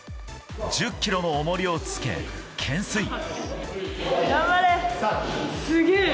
１０ｋｇの重りをつけ懸垂。